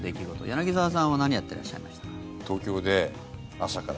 柳澤さんは何やってらっしゃいましたか。